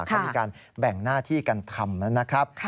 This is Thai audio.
เขามีการแบ่งหน้าที่กันทำนะครับ